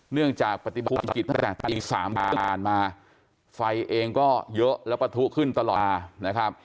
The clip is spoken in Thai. เนื่องจากปฏิบัติภูมิกฤทธิ์ตั้งแต่อีกสามประมาณมาไฟเองก็เยอะแล้วประทุขึ้นตลอดนะครับ